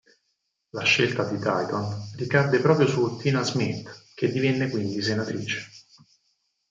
La scelta di Dayton ricadde proprio su Tina Smith, che divenne quindi senatrice